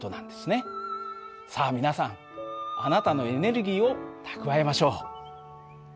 さあ皆さんあなたのエネルギーを蓄えましょう。